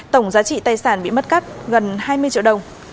tổng giá trị tài sản bị mất cắt gần hai mươi triệu đồng